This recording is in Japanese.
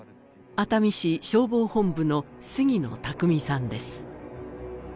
熱海市消防本部の杉野巧さんです